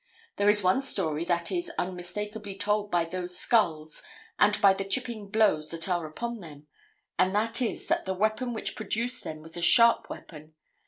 There is one story that is unmistakably told by those skulls and by the chipping blows that are upon them, and that is that the weapon which produced them was a sharp weapon.